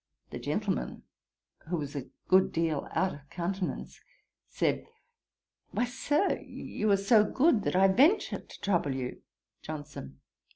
The gentleman, who was a good deal out of countenance, said, 'Why, Sir, you are so good, that I venture to trouble you.' JOHNSON.